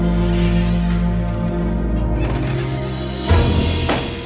jangan lupa untuk berikan duit